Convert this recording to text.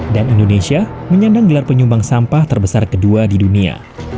dan indonesia menyandang gelar penyumbang sampah terbesar kedua di dunia